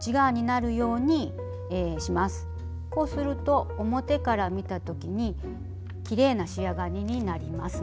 こうすると表から見たときにきれいな仕上がりになりますので。